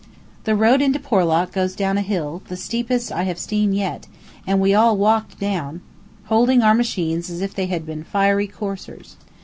The road into Porlock goes down a hill, the steepest I have seen yet, and we all walked down, holding our machines as if they had been fiery coursers.